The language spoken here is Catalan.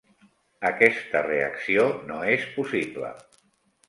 Aquesta reacció no és possible.